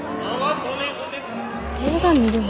映画見るん？